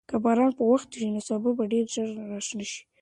که باران په وخت وشي، نو سابه به ډېر ژر راشنه شي.